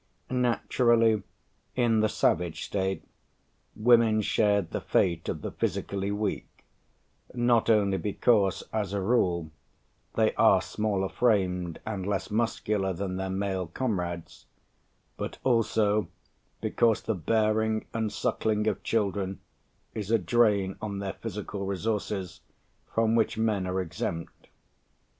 Naturally, in the savage state, women shared the fate of the physically weak, not only because, as a rule, they are smaller framed and less muscular than their male comrades, but also because the bearing and suckling of children is a drain on their physical resources from which men are exempt.